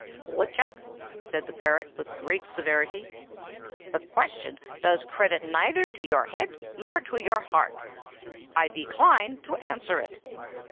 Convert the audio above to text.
"Woodchuck," said the parrot, with great severity, "the question does credit neither to your head nor to your heart. I decline to answer it!"